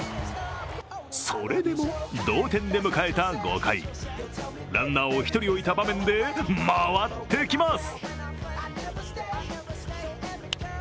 それでも同点で迎えた５回、ランナーを１人置いた場面で回ってきます。